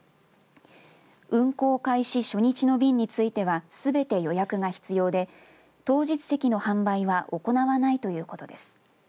運行開始初日の便についてはすべて予約が必要で当日席の販売は行わないということです。